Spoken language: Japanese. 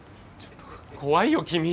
ちょっと怖いよ君。